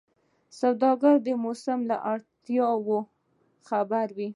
سوداګر د موسم له اړتیاوو خبر وي.